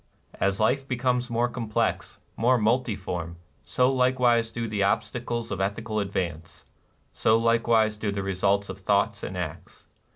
As life becomes more complex, more multiform, so likewise do the obstacles to ethi cal advance, — so likewise do the results of thoughts and acts.